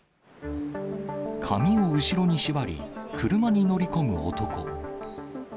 髪を後ろに縛り、車に乗り込む男。